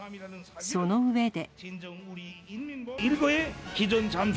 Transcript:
その上で。